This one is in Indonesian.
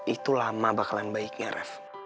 itu lama bakalan baiknya raff